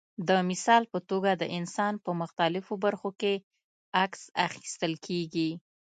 د مثال په توګه د انسان په مختلفو برخو کې عکس اخیستل کېږي.